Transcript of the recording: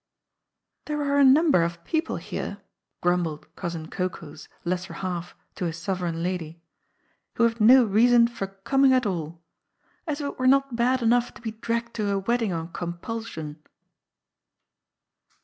" There are a number of people here," grumbled Cousin Cocoa's lesser half to his sovereign lady, ''who have no reason for coming at all. As if it were not bad enough to be dragged to a wedding on compulsion.'